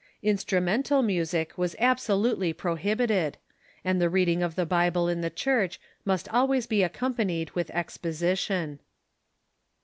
Instrumental mu sic was absolutely prohibited, and the reading of the Bible in the church must always be accompanied with exposition.